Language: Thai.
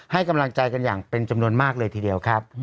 ให้กำลังใจกันอย่างเป็นจำนวนมากเลยทีเดียวครับ